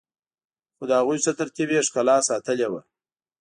خو د هغوی ښه ترتیب يې ښکلا ساتلي وه.